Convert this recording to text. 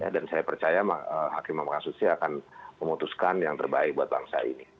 dan saya percaya hakim mahkamah konstitusi akan memutuskan yang terbaik buat bangsa ini